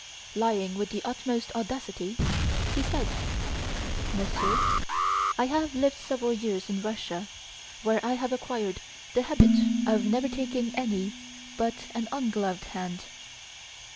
Lying with the utmost audacity, he said: "Monsieur, I have lived several years in Russia, where I have acquired the habit of never taking any but an ungloved hand."